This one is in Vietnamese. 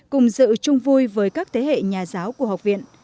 cùng dự chung vui với các thế hệ nhà giáo của học viện